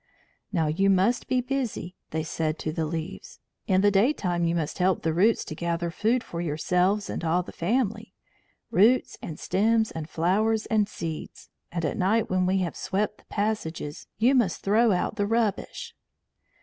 "Now you must be busy," they said to the leaves. "In the daytime you must help the roots to gather food for yourselves and all the family roots and stems and flowers and seeds; and at night when we have swept the passages you must throw out the rubbish."